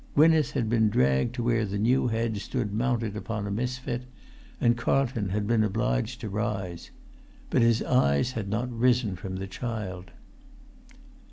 Gwynneth had been dragged to where the new head stood mounted upon a misfit; and Carlton had been obliged to rise. But his eyes had not risen from the child.